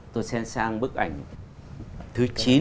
tôi sẽ sang bức ảnh thứ chín